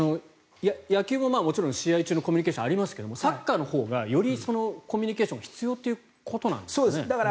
野球ももちろん試合中のコミュニケーションはありますがサッカーのほうがより、コミュニケーションが必要ということなんでしょうかね。